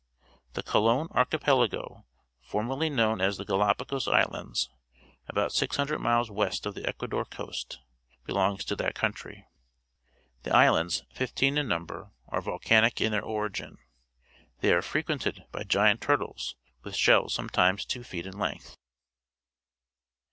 — The Colon Archi pelago, formerly known as the Galapagos Islands, about 600 miles west of the Ecuador coast, belongs to that country. The islands, fifteen in number, are volcanic in their origin. They are frequented by giant turtles, with shells sometimes two feet in length.